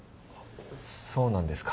そうなんですか？